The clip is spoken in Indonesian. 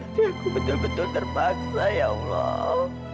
aku betul betul terpaksa ya allah